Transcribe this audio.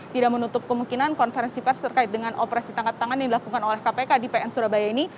tidak menutup kemungkinan konferensi pers terkait dengan operasi tangkap tangan yang dilakukan oleh kpk di pn surabaya ini